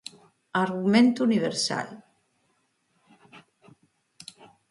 Argumento universal.